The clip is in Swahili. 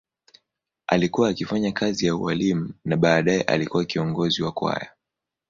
Alikuwa akifanya kazi ya ualimu na baadaye alikuwa kiongozi wa kwaya.